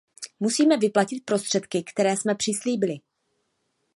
Musíme vyplatit prostředky, které jsme přislíbili.